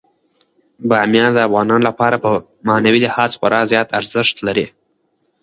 بامیان د افغانانو لپاره په معنوي لحاظ خورا زیات ارزښت لري.